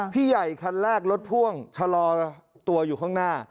พี่ใหญ่คันแรกรถพ่วงชะลอตัวอยู่ข้างหน้า